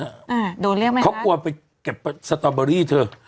อ่ะอ่าโดนเรียกไม่รักเขากลัวไปเก็บสตรอเบอร์รี่เธอ